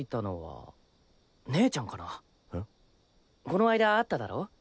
この間会っただろ。